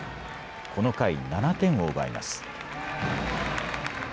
この回、７点を奪います。